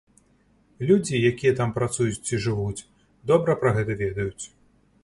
Людзі, якія там працуюць ці жывуць, добра пра гэта ведаюць.